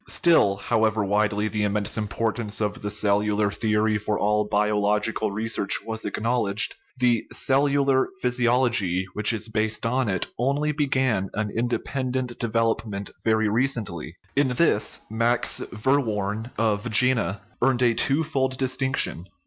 Still, however widely the immense importance of the cellular theory for all biological research was acknowl edged, the " cellular physiology " which is based on it only began an independent development very recently. In this Max Verworn (of Jena) earned a twofold dis tinction.